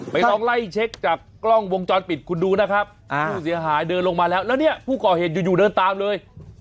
ลองไล่เช็คจากกล้องวงจรปิดคุณดูนะครับผู้เสียหายเดินลงมาแล้วแล้วเนี่ยผู้ก่อเหตุอยู่เดินตามเลย